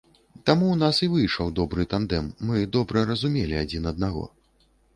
Таму ў нас і выйшаў добры тандэм, мы добра разумелі адзін аднаго.